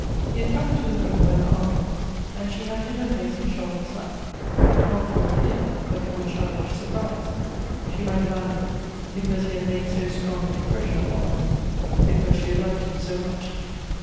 He had come into the room where her aunt was, and she had hid her face in Charlotte's lap — not from fear, but from a child ish surprise. She might have added, because he had made so strong an impression upon her — because she had liked him so much.